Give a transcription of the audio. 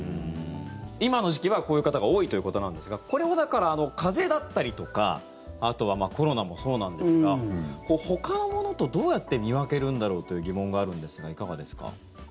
今の時期は、こういう方が多いということなんですがこれを、だから風邪だったりとかあとはコロナもそうなんですがほかのものと、どうやって見分けるんだろうという疑問があるんですがいかがですか。